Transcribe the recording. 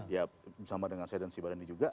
ya sama dengan saya dan si badani juga